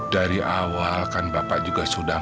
dari awal kan bapak juga sudah